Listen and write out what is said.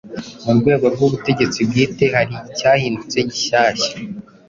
Mu rwego rw'ubutegetsi bwite hari icyahindutse gishyashya.